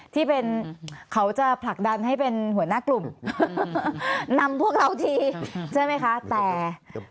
ที่เป็นเขาจะผลักดันให้เป็นหัวหน้ากลุ่มนำพวกเราทีใช่ไหมคะแต่